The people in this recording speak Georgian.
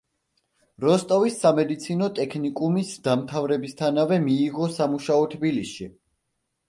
როსტოვის სამედიცინო ტექნიკუმის დამთავრებისთანავე მიიღო სამუშაო თბილისში.